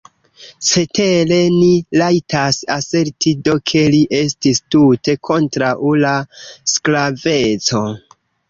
Cetere ni rajtas aserti do ke li estis tute kontraŭ la sklaveco.